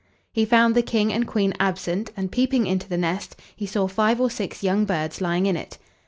He found the King and Queen absent, and, peeping into the nest, he saw five or six young birds lying in it.